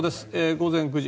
午前９時。